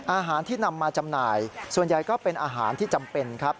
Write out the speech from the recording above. อาหารที่นำมาจำหน่ายส่วนใหญ่ก็เป็นอาหารที่จำเป็นครับ